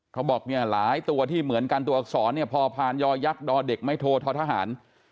เขาบอกเนี่ยหลายตัวที่เหมือนกันตัวอักษรเนี่ยพอผ่านยอยักษ์ดอเด็กไม่โททหาร